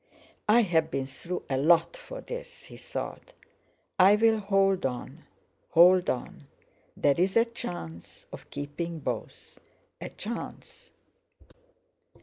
"I've been through a lot for this," he thought, "I'll hold on—hold on. There's a chance of keeping both—a chance!"